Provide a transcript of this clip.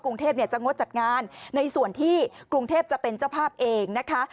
กรุงเทพจะงดจัดงานในส่วนที่กรุงเทพจะเป็นเจ้าภาพเองนะคะ